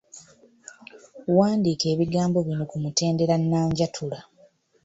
Wandiika ebigambo bino ku mutendera nnanjatula.